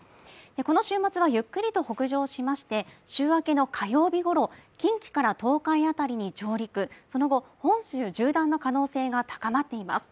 この週末はゆっくりと北上しまして週明けの火曜日ごろ近畿から東海辺りに上陸その後、本州縦断の可能性が高まっています